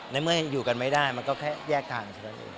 ในเมื่ออยู่กันไม่ได้มันก็แค่แยกทาง